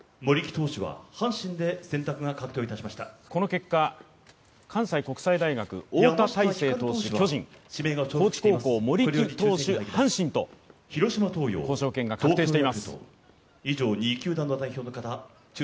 この結果、関西学院大学の翁田大勢投手が巨人、高知高校・森木投手、阪神と交渉権が確定しています。